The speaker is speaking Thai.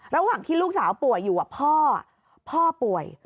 ระหว่างที่ลูกสาวป่วยอยู่พ่อพ่อป่วย